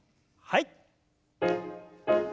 はい。